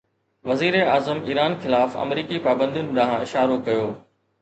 وزيراعظم ايران خلاف آمريڪي پابندين ڏانهن اشارو ڪيو